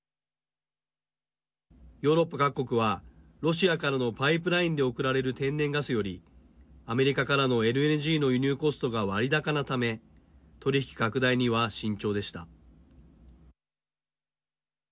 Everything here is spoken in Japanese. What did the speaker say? ヨーロッパ各国はロシアからのパイプラインで送られる天然ガスよりアメリカからのＬＮＧの輸入コストが割高なため取引拡大には慎重でした。